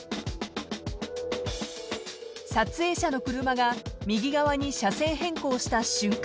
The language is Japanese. ［撮影者の車が右側に車線変更した瞬間